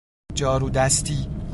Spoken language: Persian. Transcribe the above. جارو دستی